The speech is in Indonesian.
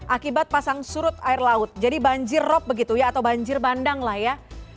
akibat pasang surut air laut jadi banjir rob begitu ya atau banjir bandang lah ya